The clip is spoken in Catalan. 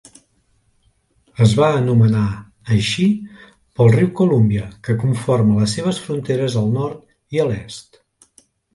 Es va anomenar així pel riu Columbia, que conforma les seves fronteres al nord i a l'est.